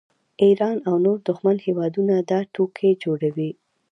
ایران او نور دښمن هیوادونه دا ټوکې جوړوي